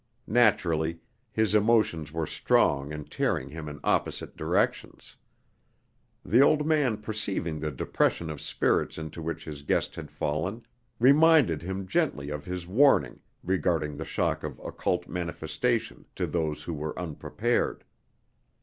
Naturally, his emotions were strong and tearing him in opposite directions. The old man perceiving the depression of spirits into which his guest had fallen, reminded him gently of his warning regarding the shock of occult manifestation to those who were unprepared.